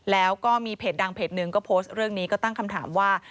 แล้วก็มีเพจดังเพจหนึ่งก็โพสต์เรื่องนี้ก็ตั้งคำถามว่า